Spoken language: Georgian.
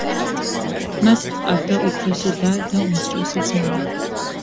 მას ჰყავდა უფროსი და და უმცროსი ძმა.